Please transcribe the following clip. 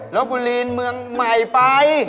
ล๊อคบุรีมันเมืองใหม่ไป